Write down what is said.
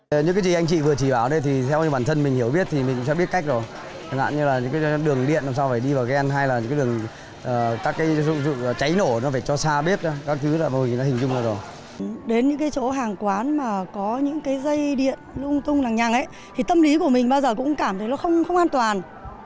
đến những cái chỗ hàng quán mà có những cái dây điện lung tung làng nhằng ấy thì tâm lý của mình bao giờ cũng cảm thấy nó không an toàn